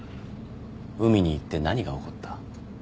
海に行って何が起こった？